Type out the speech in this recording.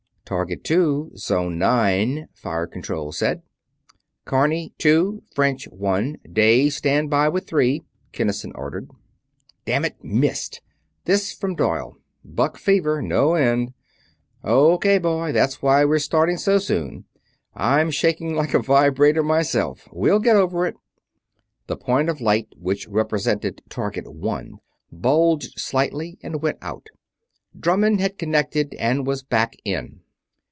"Target Two Zone Nine," Fire Control said. "Carney, two. French, one. Day, stand by with three!" Kinnison ordered. "Damn it missed!" This from Doyle. "Buck fever no end." "O.K., boy that's why we're starting so soon. I'm shaking like a vibrator myself. We'll get over it...." The point of light which represented Target One bulged slightly and went out. Drummond had connected and was back "in".